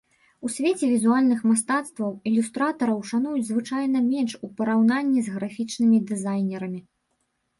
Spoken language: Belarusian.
У свеце візуальных мастацтваў ілюстратараў шануюць звычайна менш у параўнанні з графічнымі дызайнерамі.